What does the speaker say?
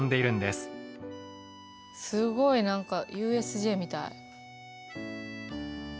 すごい何かＵＳＪみたい。